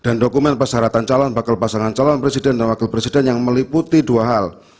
dokumen persyaratan calon bakal pasangan calon presiden dan wakil presiden yang meliputi dua hal